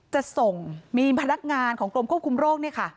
จะส่งมีพนักงานของกรมควบคุมโรคเนี่ยค่ะ